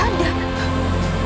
ibu nanda tidak menyalahkanmu